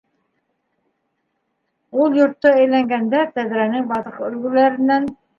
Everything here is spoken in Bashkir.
Ул йортто әйләнгәндә, тәҙрәнең ватыҡ өлгөләренән: